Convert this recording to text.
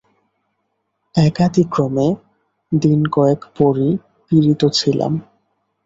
একাদিক্রমে দিনকয়েক বড়ই পীড়িত ছিলাম।